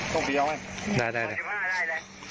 ต้องไปเยาะไหมได้ได้ได้